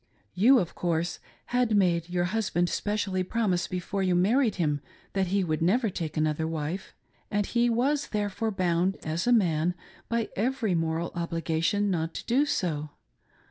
You, of course, had made your husband specially promise be fore you married ffim that he would never take another wife, and he was therefore bound, as a man, by every moral obliga tion, not to do so.